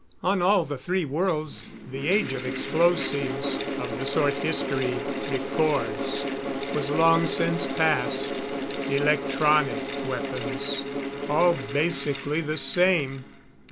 On all the three worlds the age of explosives of the sort history records, was long since passed. Electronic weapons all basically the same.